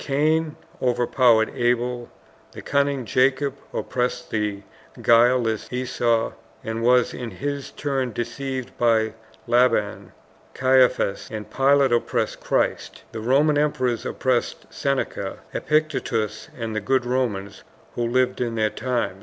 Cain overpowered Abel, the cunning Jacob oppressed the guileless Esau and was in his turn deceived by Laban, Caiaphas and Pilate oppressed Christ, the Roman emperors oppressed Seneca, Epictetus, and the good Romans who lived in their times.